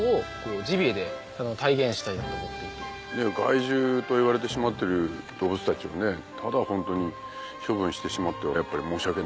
害獣と呼ばれてしまってる動物たちをただホントに処分してしまってはやっぱり申し訳ない。